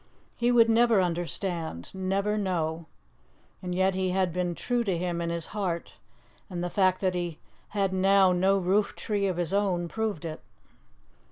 He would never understand never know. And yet he had been true to him in his heart, and the fact that he had now no roof tree of his own proved it.